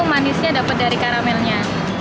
manisnya dapat dari karamelnya